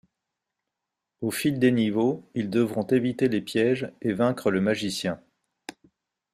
Au fil des niveaux ils devront éviter les pièges et vaincre le magicien.